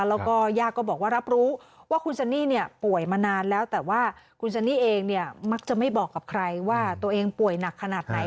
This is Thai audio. แล้วก็ญาติก็บอกว่ารับรู้ว่าคุณซันนี่เนี่ยป่วยมานานแล้วแต่ว่าคุณซันนี่เองเนี่ยมักจะไม่บอกกับใครว่าตัวเองป่วยหนักขนาดไหน